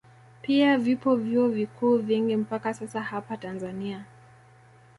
Pia vipo vyuo viku vingi mpaka sasa hapa Tanzania